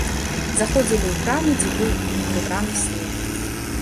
Заходзілі ў крамы, дзе быў непрыбраны снег.